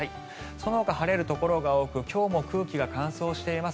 そのほか晴れるところが多く今日も空気が乾燥しています。